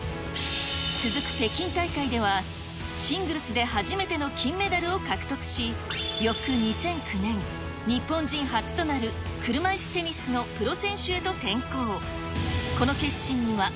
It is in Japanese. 続く北京大会では、シングルスで初めての金メダルを獲得し、翌２００９年、日本人初となる車いすテニスのプロ選手へと転向。